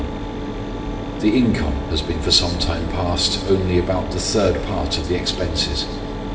The income has been for some time past only about the third part of the expenses.